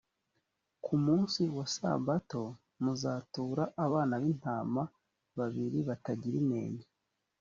ku munsi wa sabato, muzatura abana b’intama babiri batagira inenge.